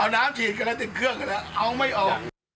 เอาน้ำฉีดกันแล้วติดเครื่องกันแล้วเอาไม่ออก